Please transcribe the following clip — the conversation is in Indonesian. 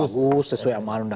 positif thinking dalam dirinya